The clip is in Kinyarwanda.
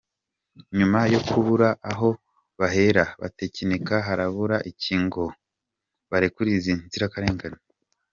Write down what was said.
Nyuma yo kubura aho bahera batekinika harabura iki ngo barekure izi nzirakarengane?